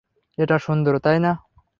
এটা সুন্দর, তাই না?